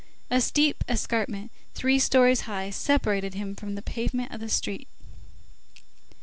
A steep escarpment three stories high separated him from the pavement of the street.